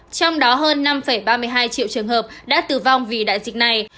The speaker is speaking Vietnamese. trong đó hơn năm ba mươi hai triệu trường hợp đã tử vong vì đại dịch này